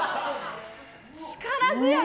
力強い。